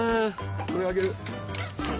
これあげる。